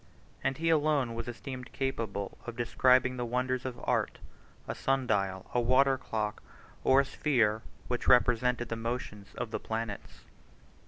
And he alone was esteemed capable of describing the wonders of art, a sun dial, a water clock, or a sphere which represented the motions of the planets.